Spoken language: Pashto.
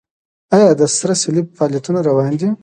آیا د سره صلیب فعالیتونه روان دي؟